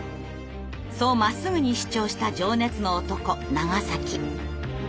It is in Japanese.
そうまっすぐに主張した情熱の男長。